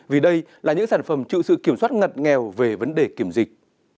vì đây là những sản phẩm chịu sự kiểm soát ngặt nghèo về vấn đề kiểm dịch